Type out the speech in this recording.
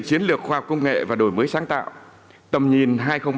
chiến lược khoa học công nghệ và đổi mới sáng tạo tầm nhìn hai nghìn ba mươi